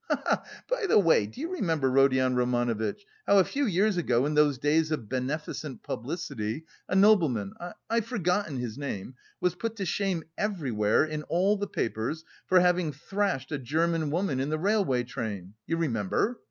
Ha, ha! By the way, do you remember, Rodion Romanovitch, how a few years ago, in those days of beneficent publicity, a nobleman, I've forgotten his name, was put to shame everywhere, in all the papers, for having thrashed a German woman in the railway train. You remember?